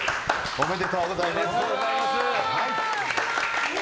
おめでとうございます！